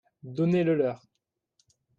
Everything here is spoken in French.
Donnez-le leur.